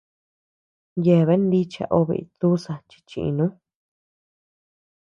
Yeaben nicha obe itduza chi chinu.